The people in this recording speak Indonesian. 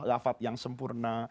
lafad yang sempurna